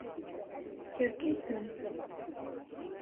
Skerkisen.